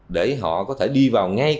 để họ có thể đi vào ngay